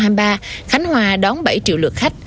năm hai nghìn hai mươi ba khánh hòa đón bảy triệu lượt khách